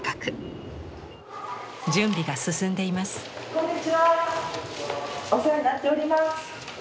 こんにちはお世話になっております。